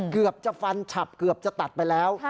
เกือบจะฟันฉับเกือบจะตัดไปแล้ว